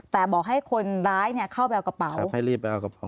แต่บอกให้คนร้ายเนี่ยเข้าไปเอากระเป๋าบอกให้รีบไปเอากระเป๋